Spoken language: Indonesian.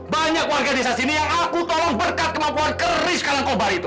banyak warga desa sini yang aku tolong berkat kemampuan keris kalangubar itu